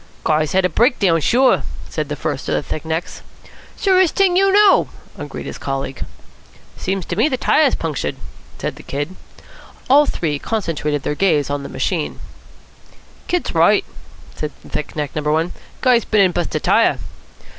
"Guy's had a breakdown, sure," said the first of the thick necks. "Surest thing you know," agreed his colleague. "Seems to me the tyre's punctured," said the Kid. All three concentrated their gaze on the machine "Kid's right," said thick neck number one. "Guy's been an' bust a tyre."